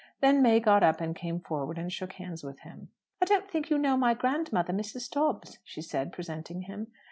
Then May got up, and came forward, and shook hands with him. "I don't think you know my grandmother, Mrs. Dobbs," she said, presenting him.